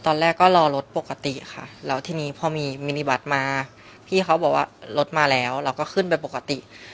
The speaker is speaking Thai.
ตอนแรกก็รอรถปกติค่ะแล้วทีนี้พอมีมินิบัตรมาพี่เขาบอกว่ารถมาแล้วเราก็ขึ้นไปปกติ